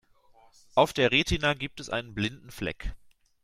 Auf der Retina gibt es einen blinden Fleck.